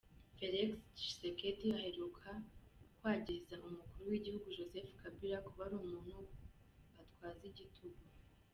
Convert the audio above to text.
Felix Tshisekedi aheruka kwagiriza umukuru w'igihugu Joseph Kabila, kuba ari umuntu atwaza igitugu.